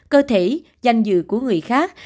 cơ thể danh dự của người khác